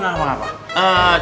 ada yang mau ceritain